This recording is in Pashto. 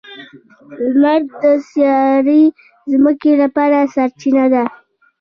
• لمر د سیارې ځمکې لپاره سرچینه ده.